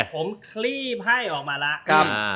ผมคลีบให้ออกมาแล้ว